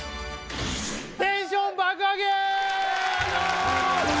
テンション爆上げむ